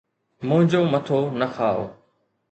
منھنجو مٿو نہ کاءُ